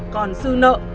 còn dư nợ